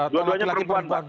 dua duanya perempuan pak